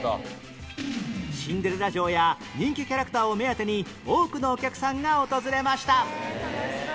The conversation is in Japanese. シンデレラ城や人気キャラクターを目当てに多くお客さんが訪れました